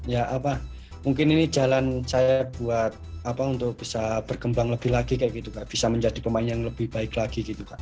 ya apa mungkin ini jalan saya buat bisa berkembang lebih lagi bisa menjadi pemain yang lebih baik lagi